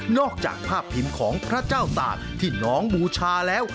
จากภาพพิมพ์ของพระเจ้าตากที่น้องบูชาแล้ว